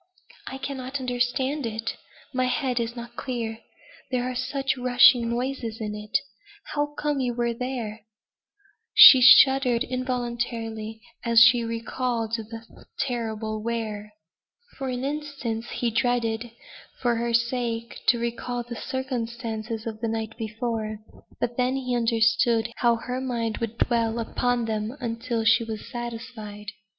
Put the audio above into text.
"I cannot understand it. My head is not clear. There are such rushing noises in it. How came you there?" She shuddered involuntarily as she recalled the terrible where. For an instant he dreaded, for her sake, to recall the circumstances of the night before; but then he understood how her mind would dwell upon them until she was satisfied.